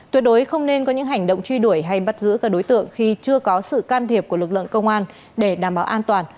tuyệt đối không nên có những hành động truy đuổi hay bắt giữ các đối tượng khi chưa có sự can thiệp của lực lượng công an để đảm bảo an toàn